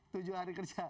tujuh hari kerja